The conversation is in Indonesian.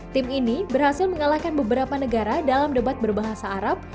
tim ini berhasil mengalahkan beberapa negara dalam debat berbahasa arab